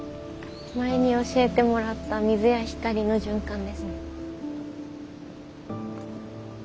前に教えてもらった水や光の循環ですね。